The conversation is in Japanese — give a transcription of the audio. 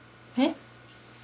えっ？